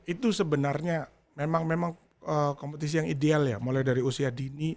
itu sebenarnya memang memang kompetisi yang ideal ya mulai dari usia dini